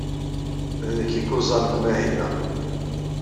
D nekk ay yuẓan deg umahil-a.